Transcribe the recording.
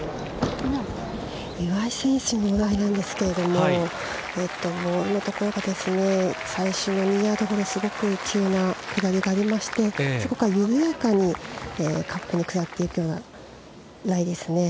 岩井選手なんですけど最初の２ヤードほど急な下りがありましてそこから緩やかにカップに下っていくようなライですね。